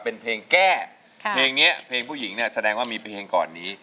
เป็นเพลงแก้เพลงนี้เพลงผู้หญิงเนี่ยแสดงว่ามีเพลงก่อนนี้